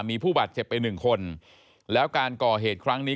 มีผู้บาดเจ็บไปหนึ่งคนแล้วการก่อเหตุครั้งนี้